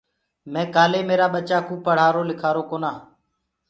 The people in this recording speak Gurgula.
مي ڪآلي ميرآ ٻچآ ڪو پڙهآرو لکارو ڪونآ